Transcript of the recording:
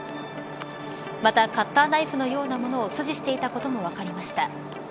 また、カッターナイフのようなものを所持していたことも分かりました。